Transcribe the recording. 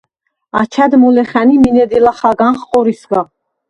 აჩად მოლე ხა̈ნ ი მინე დი ლახაგანხ ყორისგა.